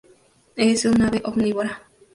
Es un ave omnívora.